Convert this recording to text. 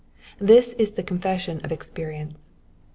This is the confession of experience.